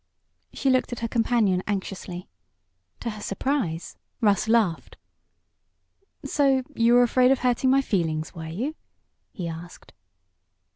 She looked at her companion anxiously. To her surprise Russ laughed. "So, you were afraid of hurting my feelings; were you?" he asked.